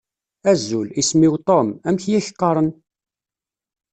Azul, isem-iw Tom. Amek i ak-qqaṛen?